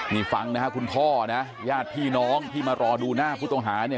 นี่ฟังนะครับคุณพ่อนะญาติพี่น้องที่มารอดูหน้าผู้ต้องหาเนี่ย